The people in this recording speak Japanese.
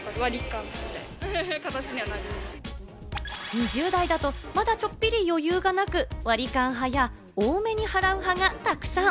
２０代だとまだ、ちょっぴり余裕がなく、割り勘派や多めに払う派がたくさん。